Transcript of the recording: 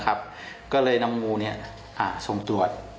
นะครับก็เลยน้องงูนี้ส่งตรวจ